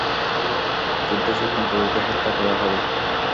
যুদ্ধ-সক্ষম পুরুষদের হত্যা করা হবে।